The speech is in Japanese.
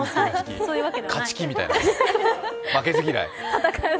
勝ち気みたいな、負けず嫌いみたいな。